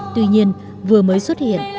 tuy nhiên vừa mới xuất hiện